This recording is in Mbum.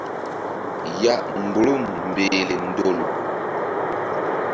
Ya mgbuhrum mbehle ndol.